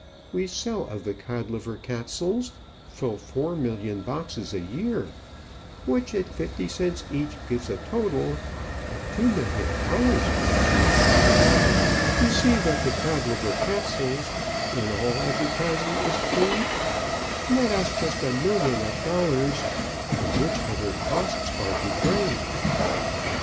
We sell of the Codliver Capsules Full four million boxes a year, Which, at fifty cents each, gives a total Of two million dollars, my dear. "You see that the Codliver Capsules, When all advertising is paid, Net us just a million of dollars, From which other costs are defrayed.